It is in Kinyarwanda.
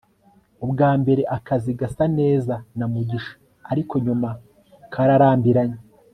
ubwa mbere akazi gasa neza na mugisha, ariko nyuma kararambiranye